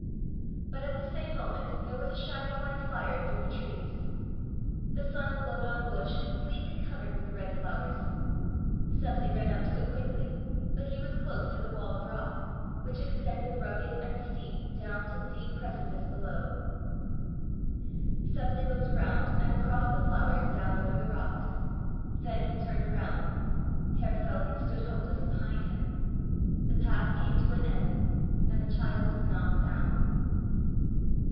But at the same moment there was a shining like fire through the trees. The sun glowed on a bush completely covered with the red flowers. Seppli ran up to it quickly, but he was close to the wall of rock, which extended, rugged and steep, down to the deep precipice below. Seppli looked around and across the flowers down over the rocks. Then he turned around. Herr Feland stood hopeless behind him. The path came to an end, and the child was not found!